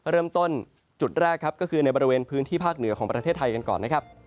เริ่มต้นจุดแรกครับก็คือในบริเวณพื้นที่ภาคเหนือของประเทศไทยกันก่อนนะครับ